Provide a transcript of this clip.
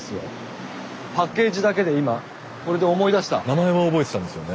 スタジオ名前は覚えてたんですよね。